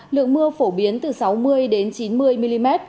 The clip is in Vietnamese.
lượng mưa phổ biến từ sáu mươi đến chín mươi mm